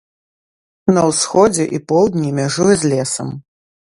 На ўсходзе і поўдні мяжуе з лесам.